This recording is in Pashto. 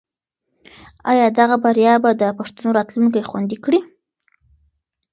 آیا دغه بریا به د پښتنو راتلونکی خوندي کړي؟